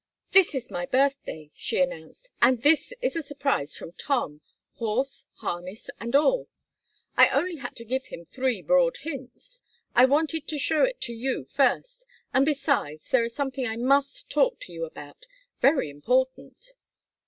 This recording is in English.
"This is my birthday," she announced, "and this is a surprise from Tom horse, harness, and all. I only had to give him three broad hints. I wanted to show it to you first, and besides there is something I must talk to you about very important!"